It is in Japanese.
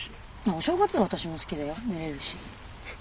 あっお正月は私も好きだよ寝れるし。